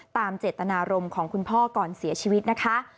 ตามเจตนารมณ์ของคุณพ่อก่อนเสียชีวิตนะคะ